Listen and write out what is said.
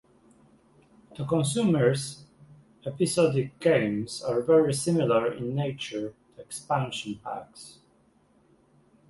To consumers, episodic games are very similar in nature to expansion packs.